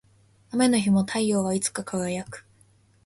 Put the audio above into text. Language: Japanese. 雨の日も太陽はいつか輝く